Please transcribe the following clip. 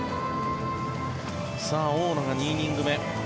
大野が２イニング目。